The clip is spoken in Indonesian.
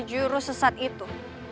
jurus sesat itu